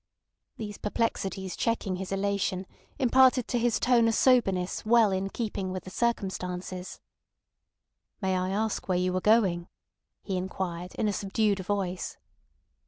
These perplexities checking his elation imparted to his tone a soberness well in keeping with the circumstances. "May I ask you where you were going?" he inquired in a subdued voice.